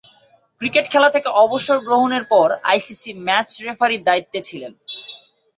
Cricket খেলা থেকে অবসর গ্রহণের পর আইসিসি ম্যাচ রেফারির দায়িত্বে ছিলেন।